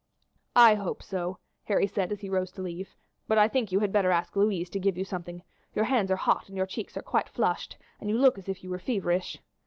"I hope so," Harry said as he rose to leave; "but I think you had better ask Louise to give you something your hands are hot and your cheeks are quite flushed, and you look to me as if you were feverish.